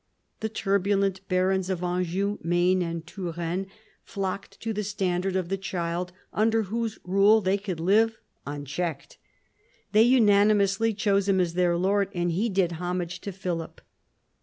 The turbulent barons of Anjou, Maine, and Touraine flocked to the standard of the child under whose rule they could live un checked. They unanimously chose him as their lord, and he did homage to Philip.